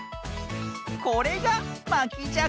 これがまきじゃく。